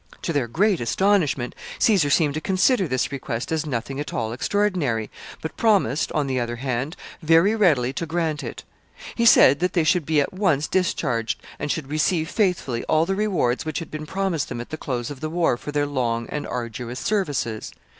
To their great astonishment, Caesar seemed to consider this request as nothing at all extraordinary, but promised, an the other hand, very readily to grant it He said that they should be at once discharged, and should receive faithfully all the rewards which had been promised them at the close of the war for their long and arduous services.